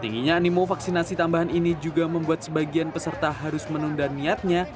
tingginya animo vaksinasi tambahan ini juga membuat sebagian peserta harus menunda niatnya